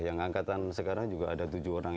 yang angkatan sekarang juga ada tujuh orang